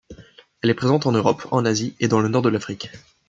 Elle est présente en Europe, en Asie et dans le nord de l'Afrique.